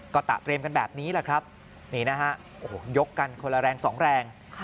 ก็ตะเตรียมกันแบบนี้แหละครับนี่นะฮะโอ้โหยกกันคนละแรงสองแรง